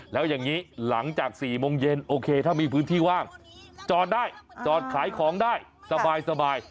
แล้วอย่างนี้หลังจาก๔โมงเย็นโอเคถ้ามีพื้นที่ว่างจอดได้จอดขายของได้สบาย